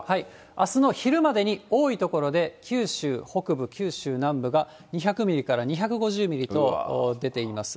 あすの昼までに多い所で九州北部、九州南部が２００ミリから２５０ミリと出ています。